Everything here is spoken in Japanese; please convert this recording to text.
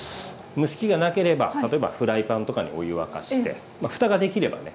蒸し器がなければ例えばフライパンとかにお湯沸かしてふたができればね